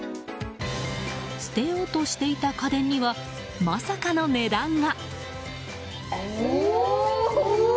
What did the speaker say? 捨てようとしていた家電にはまさかの値段が。